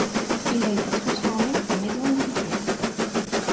Il a été transformé en maison individuelle.